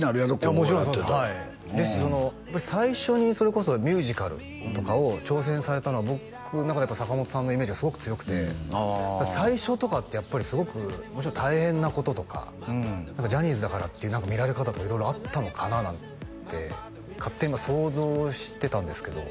もちろんそうですはいですし最初にそれこそミュージカルとかを挑戦されたのは僕の中で坂本さんのイメージがすごく強くて最初とかってやっぱりすごくもちろん大変なこととかジャニーズだからっていう何か見られ方とか色々あったのかななんて勝手に想像してたんですけど